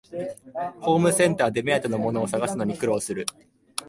ホームセンターで目当てのものを探すのに苦労する